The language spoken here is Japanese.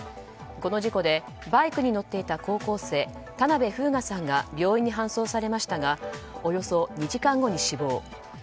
この事故でバイクに乗っていた高校生田邊楓雅さんが病院に搬送されましたがおよそ２時間後に死亡。